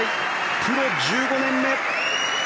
プロ１５年目。